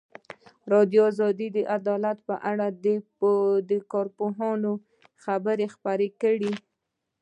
ازادي راډیو د عدالت په اړه د کارپوهانو خبرې خپرې کړي.